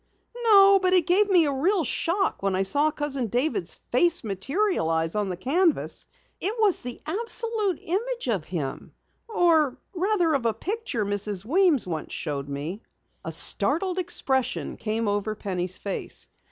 "No, but it gave me a real shock when I saw Cousin David's face materialize on the canvas. It was the absolute image of him or rather of a picture Mrs. Weems once showed me." A startled expression came over Penny's face.